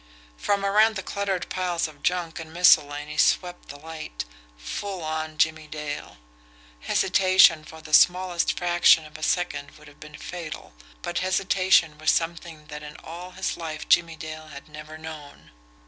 From around the cluttered piles of junk and miscellany swept the light full on Jimmie Dale. Hesitation for the smallest fraction of a second would have been fatal, but hesitation was something that in all his life Jimmie Dale had never known.